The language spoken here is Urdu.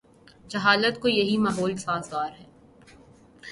جہالت کو یہی ماحول سازگار ہے۔